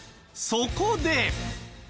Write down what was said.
そこで。